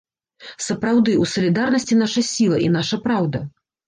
Сапраўды, у салідарнасці наша сіла і наша праўда!